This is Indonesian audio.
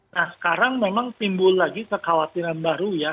nah sekarang memang timbul lagi kekhawatiran baru ya